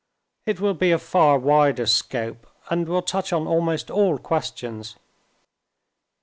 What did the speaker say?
It will be of far wider scope, and will touch on almost all questions.